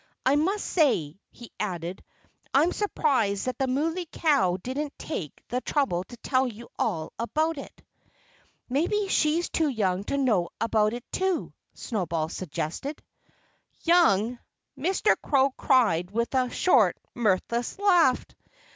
I must say," he added, "I'm surprised that the Muley Cow didn't take the trouble to tell you all about it." "Maybe she's too young to know about it, too," Snowball suggested. "Young!" Mr. Crow cried with a short, mirthless laugh.